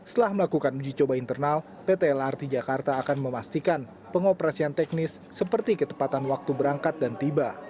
setelah melakukan uji coba internal pt lrt jakarta akan memastikan pengoperasian teknis seperti ketepatan waktu berangkat dan tiba